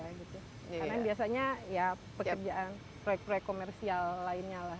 karena biasanya pekerjaan proyek proyek komersial lainnya